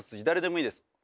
誰でもいいです。